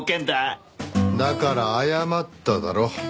だから謝っただろ。